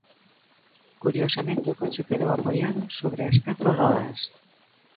Curiosamente o coche quedou apoiado sobe as catro rodas.